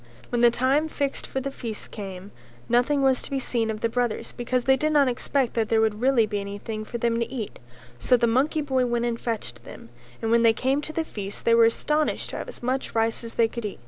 When the time fixed for the feast came, nothing was to be seen of the brothers because they did not expect that there would really be anything for them to eat; so the monkey boy went and fetched them, and when they came to the feast they were astonished to have as much rice as they could eat.